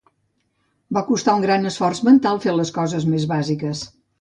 Va costar un gran esforç mental fer les coses més bàsiques.